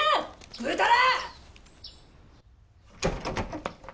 ぐうたら！